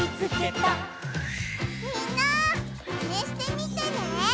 みんなマネしてみてね！